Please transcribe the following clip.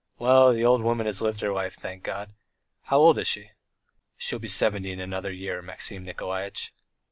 Well, the old woman has lived her life, thank God. ... How old is she?" "She'll be seventy in another year, Maxim Nikolaitch."